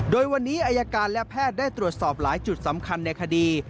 โดยวันนี้อายการและแพทย์ได้ตรวจสอบหลายจุดสำคัญในคดี